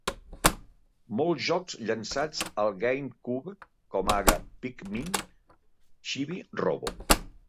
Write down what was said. Molts jocs llançats al GameCube, com ara "Pikmin", "Chibi-Robo!